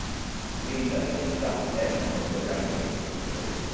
Grinta e velocità erano le sue caratteristiche migliori.